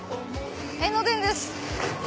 江ノ電です。